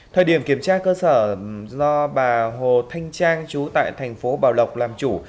thời điểm kiểm tra cơ sở do bà hồ thanh trang chú tại thành phố bảo lộc làm chủ